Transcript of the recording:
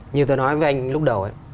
như tôi nói với anh lúc đầu ấy